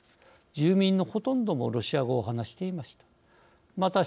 住民のほとんどもロシア語を話していました。